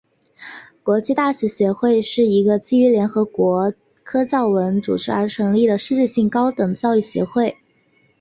国际大学协会是一个基于联合国教科文组织而成立的世界性高等教育协会。